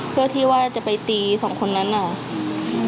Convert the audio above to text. เพื่อที่ว่าจะไปตีสองคนนั้นน่ะ